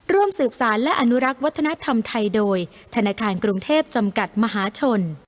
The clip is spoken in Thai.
ร่วมสืบสารและอนุรักษ์วัฒนธรรมไทยโดยธนาคารกรุงเทพจำกัดมหาชน